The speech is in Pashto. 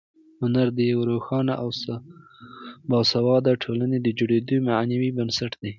هنر د یوې روښانه او باسواده ټولنې د جوړېدو معنوي بنسټ دی.